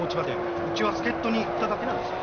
ウチは助っ人に行っただけです。